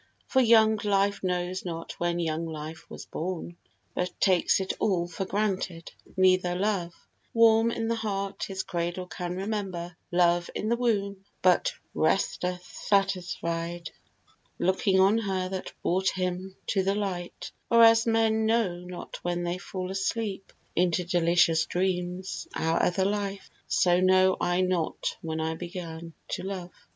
For young Life knows not when young Life was born, But takes it all for granted: neither Love, Warm in the heart, his cradle can remember Love in the womb, but resteth satisfied, Looking on her that brought him to the light: Or as men know not when they fall asleep Into delicious dreams, our other life, So know I not when I began to love.